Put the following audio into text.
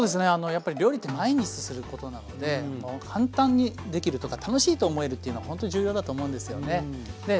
やっぱり料理って毎日することなので簡単にできるとか楽しいと思えるっていうのがほんとに重要だと思うんですよね。